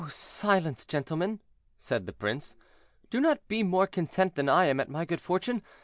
silence, gentlemen," said, the prince, "do not be more content than I am at my good fortune.